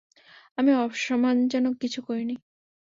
আমি অসম্মানজনক কিছু করিনি।